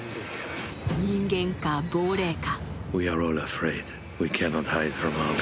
人間か、亡霊か？